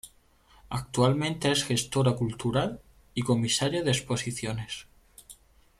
Actualmente es gestora cultural y comisaria de exposiciones.